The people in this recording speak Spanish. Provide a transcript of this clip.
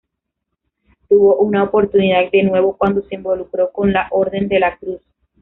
Tuvo una oportunidad de nuevo cuando se involucró con la "Orden de la Cruz".